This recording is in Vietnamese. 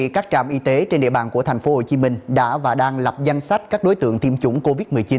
các trạm y tế trên địa bàn của tp hcm đã và đang lập danh sách các đối tượng tiêm chủng covid một mươi chín